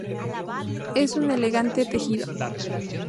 Es un elegante tejido.